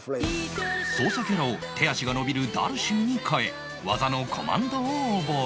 操作キャラを手足が伸びる ＤＨＡＬＳＩＭ に変え技のコマンドを覚える